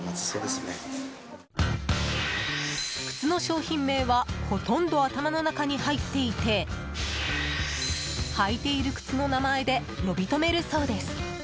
靴の商品名はほとんど頭の中に入っていて履いている靴の名前で呼び止めるそうです。